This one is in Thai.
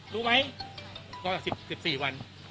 รู้ไหม